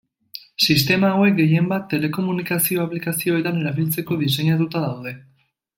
Sistema hauek, gehienbat, telekomunikazio aplikazioetan erabiltzeko diseinatuta daude.